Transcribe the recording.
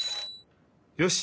よし！